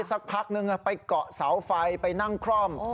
สักพักนึงไปเกาะเสาไฟไปนั่งคล่อม